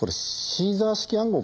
シーザー式暗号？